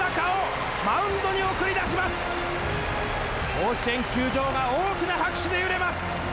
甲子園球場が大きな拍手で揺れます！